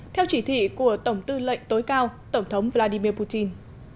theo chỉ thị của tổng tư lệnh tối cao tổng thống vladimir putin